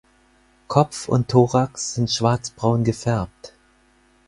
Kopf und Thorax sind schwarzbraun gefärbt.